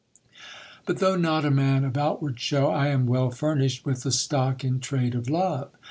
But though not a man of outward show, I am well furnished with the stock in trade of love.